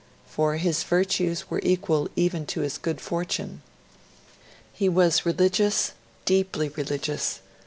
For his virtues were equal even to his good fortune. He was religious, deeply religious.